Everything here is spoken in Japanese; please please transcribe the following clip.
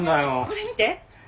これ見て。